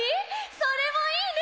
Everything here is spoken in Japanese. それもいいね